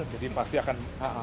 jadi pasti akan